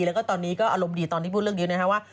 แล้วก็ตอนนี้ก็อารมณ์ดีตอนที่พูดเรื่องนี้นะครับว่า